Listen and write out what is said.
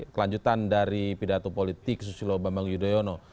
kelanjutan dari pidato politik susilo bambang yudhoyono